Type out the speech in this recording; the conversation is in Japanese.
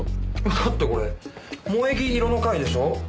だってこれもえぎ色の会でしょう。